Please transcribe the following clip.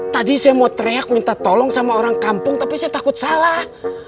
tadi saya mau teriak minta tolong sama orang kampung tapi saya takut salah